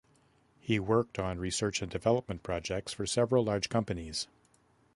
He worked on research and development projects for several large companies.